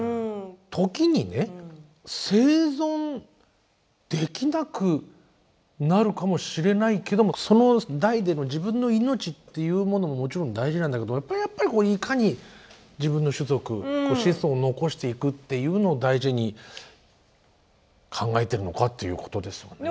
時にね生存できなくなるかもしれないけどもその代での自分の命っていうものももちろん大事なんだけどやっぱりいかに自分の種族子孫を残していくっていうのを大事に考えてるのかっていうことですよね。